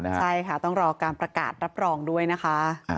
ใช่ค่ะต้องรอการประกาศรับรองด้วยนะคะ